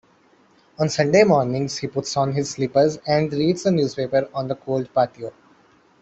On Sunday mornings, he puts on his slippers and reads the newspaper on the cold patio.